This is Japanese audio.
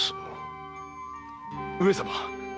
上様。